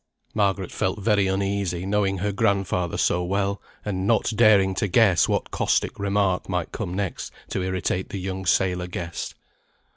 Margaret felt very uneasy, knowing her grandfather so well, and not daring to guess what caustic remark might come next to irritate the young sailor guest.